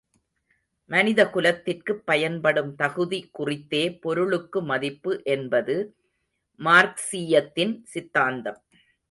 மனிதக் குலத்திற்குப் பயன்படும் தகுதி குறித்தே பொருளுக்கு மதிப்பு என்பது மார்க்சீயத்தின் சித்தாந்தம்.